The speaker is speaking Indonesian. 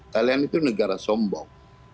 kalian itu negara sombong